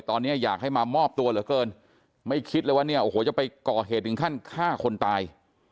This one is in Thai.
ตอนนี้อยากให้มามอบตัวเหลือเกินไม่คิดเลยว่าเนี่ยโอ้โหจะไปก่อเหตุถึงขั้นฆ่าคนตาย